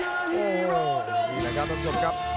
โอ้โหนี่แหละครับต้องจบครับ